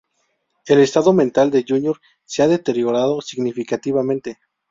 El estado mental de Junior se ha deteriorado significativamente.